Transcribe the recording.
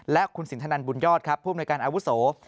และคุณสินทนันบุญยอดผู้บริการอาวุศาสตร์